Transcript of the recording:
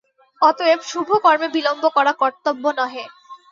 অতএব শুভ কর্মে বিলম্ব করা কর্তব্য নহে।